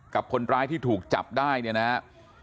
กับคนร้ายที่ถูกจับได้เนี่ยนะครับ